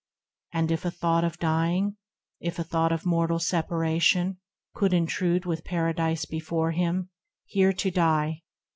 And, if a thought of dying, if a thought Of mortal separation, could intrude With paradise before him, here to die